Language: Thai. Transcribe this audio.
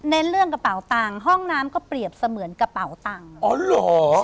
ในเรื่องกระเป๋าตังค์ห้องน้ำก็เปรียบเสมือนกระเป๋าตังค์อ๋อเหรอ